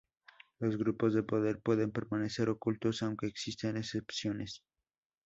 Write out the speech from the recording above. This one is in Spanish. Los grupos de poder pueden permanecer ocultos, aunque existen excepciones.